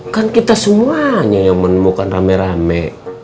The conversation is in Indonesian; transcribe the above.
kan kita semuanya yang menemukan rame rame